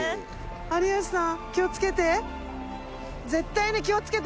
有吉さん気を付けて。